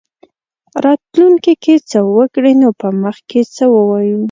راتلونکې کې څه وکړي نو په مخ کې څه ووایو.